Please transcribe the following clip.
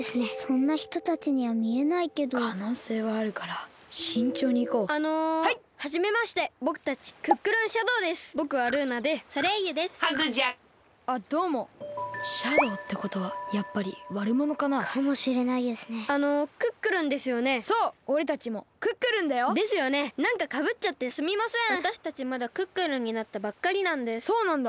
そうなんだ。